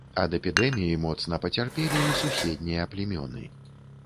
Ад эпідэміі моцна пацярпелі і суседнія плямёны.